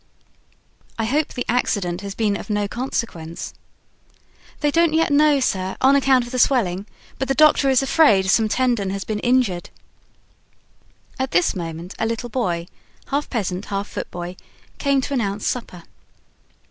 "I hope the accident has been of no consequence?" "They don't yet know, sir, on account of the swelling; but the doctor is afraid some tendon has been injured." At this moment a little boy, half peasant, half foot boy, came to announce supper.